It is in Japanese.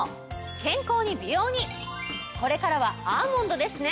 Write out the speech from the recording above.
健康に美容にこれからはアーモンドですね！